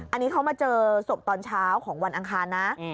อันนี้เขามาเจอศพตอนเช้าของวันอังคารนะ